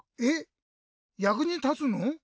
えっやくにたつの⁉